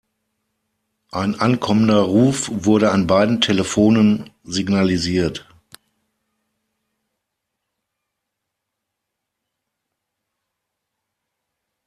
Ein ankommender Ruf wurde an beiden Telefonen signalisiert.